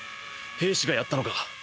兵士がやったのか？